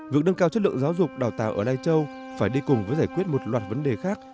việc nâng cao chất lượng giáo dục đào tạo ở lai châu phải đi cùng với giải quyết một loạt vấn đề khác